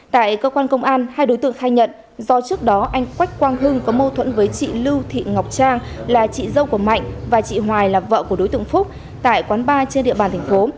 tại cơ quan công an hai đối tượng khai nhận do trước đó anh quách quang hưng có mâu thuẫn với chị lưu thị ngọc trang là chị dâu của mạnh và chị hoài là vợ của đối tượng phúc tại quán ba trên địa bàn thành phố